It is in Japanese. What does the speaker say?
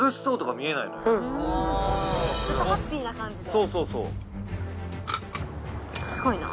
そうそうそう。